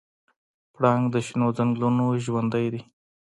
پړانګ د شنو ځنګلونو ژوندی دی.